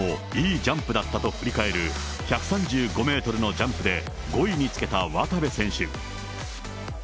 自身もいいジャンプだったと振り返る１３５メートルのジャンプで５位につけた渡部選手。